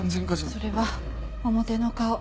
それは表の顔。